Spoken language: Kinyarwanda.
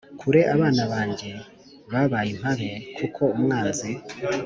kure Abana banjye babaye impabe Kuko umwanzi